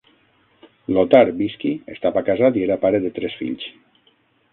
Lothar Bisky estava casat i era pare de tres fills.